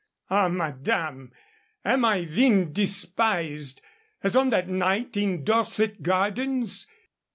"Ah, madame, am I then despised, as on that night in Dorset Gardens?